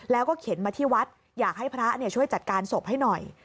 แล้วก็เข็นมาที่วัดอยากให้พระช่วยจัดการศพให้หน่อย